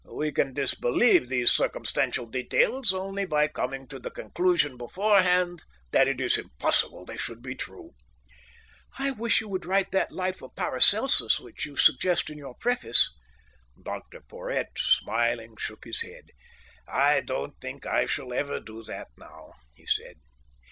We can disbelieve these circumstantial details only by coming to the conclusion beforehand that it is impossible they should be true." "I wish you would write that life of Paracelsus which you suggest in your preface." Dr Porhoët, smiling shook his head. "I don't think I shall ever do that now," he said.